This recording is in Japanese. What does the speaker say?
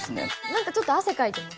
何かちょっと汗かいてます。